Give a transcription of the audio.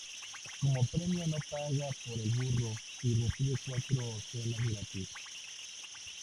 Como premio no paga por el burro y recibe cuatro cenas gratis.